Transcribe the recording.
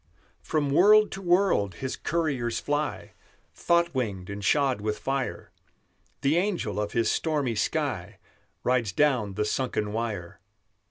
From world to world His couriers fly, Thought winged and shod with fire; The angel of His stormy sky Rides down the sunken wire.